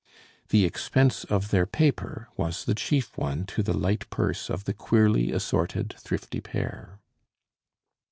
The expense of their paper was the chief one to the light purse of the queerly assorted, thrifty pair.